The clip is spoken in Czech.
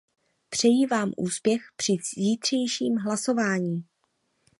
Přeji vám úspěch při zítřejším hlasování.